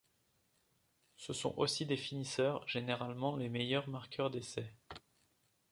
Ce sont aussi des finisseurs, généralement les meilleurs marqueurs d'essais.